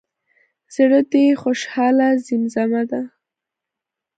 زړه د خوشحالۍ زیمزمه ده.